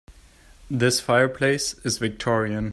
This fireplace is victorian.